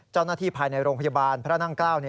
เจ้าหน้าที่ภายในโรงพยาบาลพระนั่งเกล้า